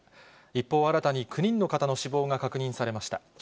一方、新たに９人の方の死亡が確認されました。